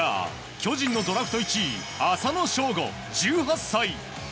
巨人のドラフト１位浅野翔吾、１８歳。